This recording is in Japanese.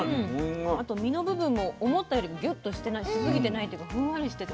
あと身の部分も思ったよりもギュッとしてないしすぎてないというかふんわりしてて。